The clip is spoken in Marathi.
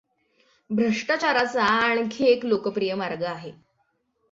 भ्रष्टाचाराचा आणखी एक लोकप्रिय मार्ग आहे.